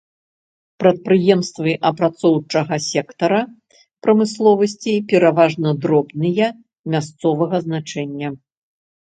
Прадпрыемствы апрацоўчага сектара прамысловасці пераважна дробныя, мясцовага значэння.